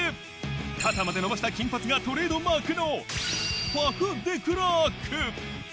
肩まで伸ばした金髪がトレードマークのファフ・デクラーク。